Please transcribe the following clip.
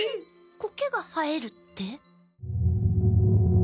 コケが生えるって。